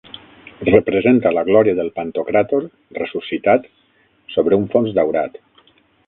Representa la Glòria del Pantocràtor, ressuscitat, sobre un fons daurat.